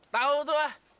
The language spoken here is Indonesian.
tau tuh ah